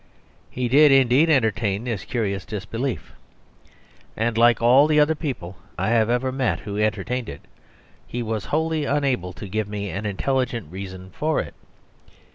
He did, indeed, entertain this curious disbelief. And, like all the other people I have ever met who entertained it, he was wholly unable to give me an intelligent reason for it.